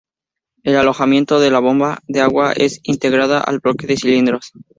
El alojamiento de la bomba de agua es integrada al bloque de cilindros.